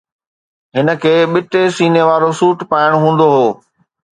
هن کي ٻٽي سيني وارو سوٽ پائڻ هوندو هو.